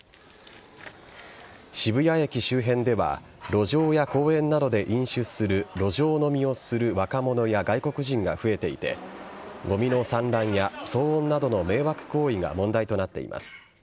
渋谷駅周辺では路上や公園などで飲酒する路上飲みをする若者や外国人が増えていてゴミの散乱や騒音などの迷惑行為が問題となっています。